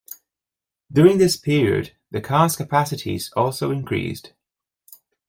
During this period, the cars' capacities also increased.